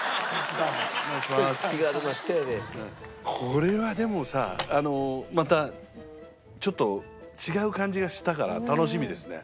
これはでもさまたちょっと違う感じがしたから楽しみですね。